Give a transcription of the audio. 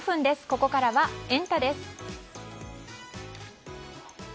ここからはエンタ！です。